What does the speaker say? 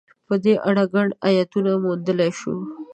په دې اړه ګڼ ایتونه موندلای شو.